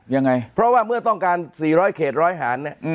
ยังไงเพราะว่าเมื่อต้องการ๔๐๐เขตร้อยหารเนี่ย